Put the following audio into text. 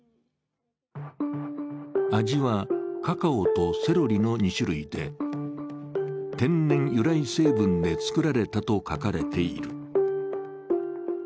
味はカカオとセロリの２種類で、天然由来成分で作られたと書かれている。